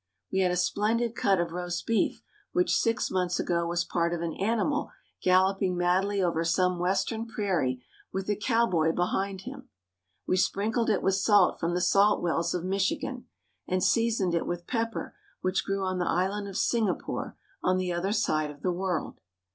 We had a splendid cut of roast beef which six months ago was part of an animal galloping madly over some western prairie with a cowboy behind him. We sprinkled it with salt from the salt wells of Michigan, and seasoned it with pepper which grew on the island of Singa pore, on the other side of the world.